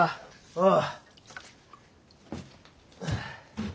ああ。